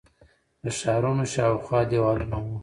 د ښارونو شاوخوا دیوالونه وو